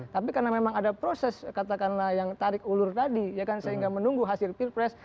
tapi karena memang ada proses katakanlah yang tarik ulur tadi ya kan sehingga menunggu hasil pilpres